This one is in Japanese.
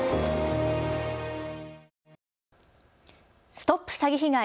ＳＴＯＰ詐欺被害！